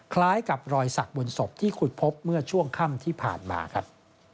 คล้ายกับรอยสักบนศพที่ขุดพบเมื่อช่วงค่ำที่ผ่านมาครับ